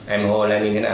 em hô lên